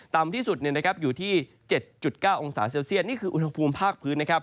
ต่ำที่สุดอยู่ที่๗๙องศาเซลเซียตนี่คืออุณหภูมิภาคพื้นนะครับ